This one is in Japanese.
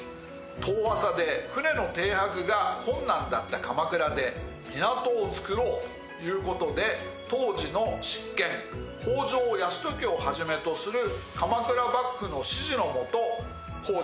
遠浅で船の停泊が困難だった鎌倉で港をつくろうということで当時の執権北条泰時をはじめとする鎌倉幕府の指示の下工事が始まりました。